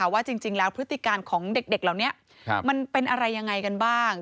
ว่าจริงแล้วพฤติการของเด็กเหล่านี้มันเป็นอะไรยังไงกันบ้าง